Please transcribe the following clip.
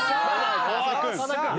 川君。